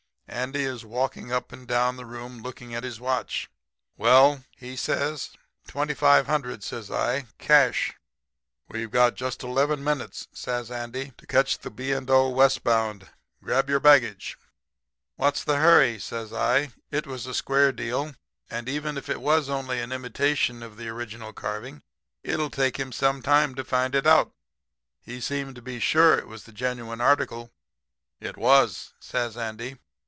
"Andy is walking up and down the room looking at his watch. "'Well?' he says. "'Twenty five hundred,' says I. 'Cash.' "'We've got just eleven minutes,' says Andy, 'to catch the B. & O. westbound. Grab your baggage.' "'What's the hurry,' says I. 'It was a square deal. And even if it was only an imitation of the original carving it'll take him some time to find it out. He seemed to be sure it was the genuine article.' "'It was,' says Andy.